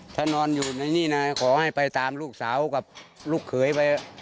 ถ้านอนอยู่ในนี่นะขอให้ไปตามลูกสาวกับลูกเขยไป